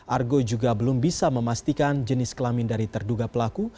argo juga belum bisa memastikan jenis kelamin dari terduga pelaku